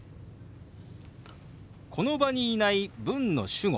この場にいない文の主語